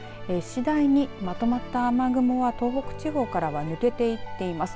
しだいにまとまった雨雲は東北地方からは抜けていっています。